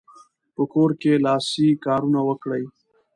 په کور کې لاسي کارونه وکړئ.